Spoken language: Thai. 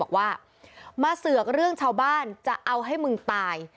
บอกว่ามาเสือกเรื่องชาวบ้านจะเอาให้มึงตาย